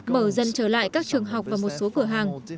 mở dần trở lại các trường học và một số cửa hàng